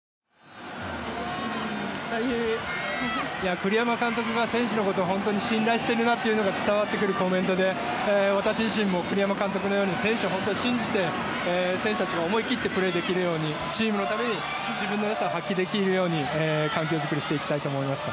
栗山監督が選手のことを本当に信頼しているということが伝わってくるコメントで私自身も栗山監督のように選手を本当に信じて選手たちも思い切ってプレーできるようにチームのために自分の良さを発揮できるように関係づくりをしていきたいと思いました。